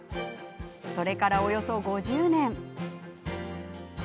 それから、およそ５０年。